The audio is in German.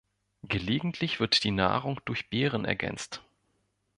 Gelegentlich wird die Nahrung durch Beeren ergänzt.